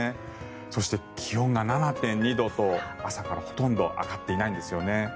そして、気温が７．２度と朝からほとんど上がっていないんですよね。